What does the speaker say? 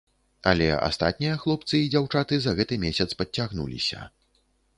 Але астатнія хлопцы і дзяўчаты за гэты месяц падцягнуліся.